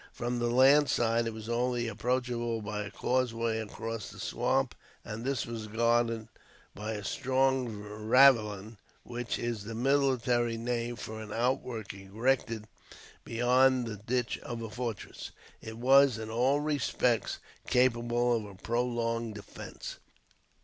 From the land side, it was only approachable by a causeway across the swamp, and this was guarded by a strong ravelin, which is the military name for an outwork erected beyond the ditch of a fortress. It was, in all respects, capable of a prolonged defence.